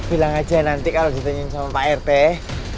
bilang aja nanti kalau ditanyain sama pak rt